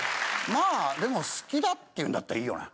まあでも好きだって言うんだったらいいよね。